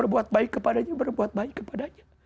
berbuat baik kepadanya